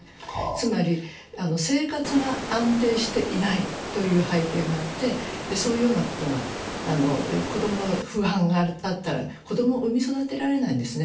つまり、生活が安定していないという背景があって、そういうような不安があったら、子供を産み育てられないんですね。